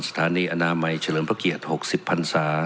สถานีอนามัยเฉลิมพระเกียรติ๖๐พันศา